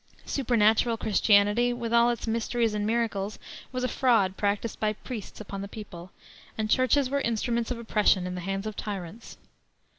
Supernatural Christianity, with all its mysteries and miracles, was a fraud practiced by priests upon the people, and churches were instruments of oppression in the hands of tyrants.